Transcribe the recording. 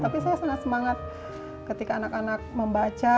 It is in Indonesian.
tapi saya senang semangat ketika anak anak membaca